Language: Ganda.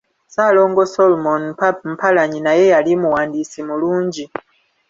Ssaalongo Solmon Mpalanyi naye yali muwandiisi mulungi.